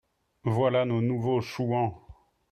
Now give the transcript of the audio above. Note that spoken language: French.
Voilà nos nouveaux Chouans